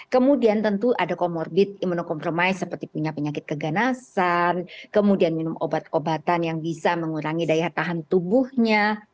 kemudian tentu ada comorbid immunokompromis seperti punya penyakit keganasan kemudian minum obat obatan yang bisa mengurangi daya tahan tubuhnya